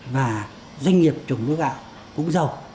và doanh nghiệp trồng lúa gạo cũng giàu